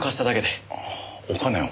ああお金を？